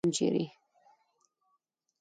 آبادۍ ته یې زلمي لټوم ، چېرې ؟